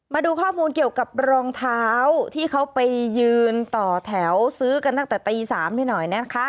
มาดูข้อมูลเกี่ยวกับรองเท้าที่เขาไปยืนต่อแถวซื้อกันตั้งแต่ตี๓ให้หน่อยนะคะ